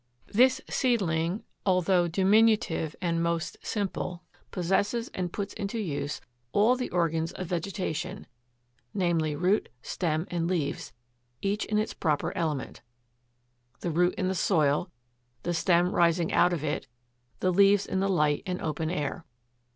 This seedling, although diminutive and most simple, possesses and puts into use, all the ORGANS of VEGETATION, namely, root, stem, and leaves, each in its proper element, the root in the soil, the stem rising out of it, the leaves in the light and open air.